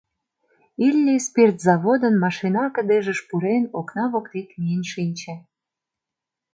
Илли спирт заводын машина-кыдежыш пурен, окна воктек миен шинче.